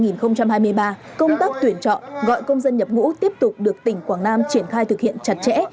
năm hai nghìn hai mươi ba công tác tuyển chọn gọi công dân nhập ngũ tiếp tục được tỉnh quảng nam triển khai thực hiện chặt chẽ